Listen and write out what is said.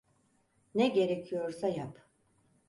Ne gerekiyorsa yap.